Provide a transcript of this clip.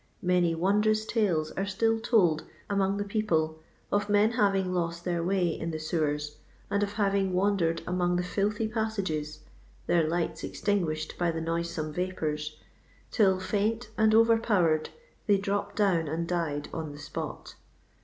Many won drous tales are still told among the people of men having lost their way in the sewers, and of hav ing wandered among the filthy passagei — their lignts extinguished by the noisome vapours — till, faint and overpowered, they dropped down and died on the spot.